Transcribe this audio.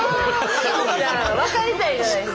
分かりたいじゃないですか。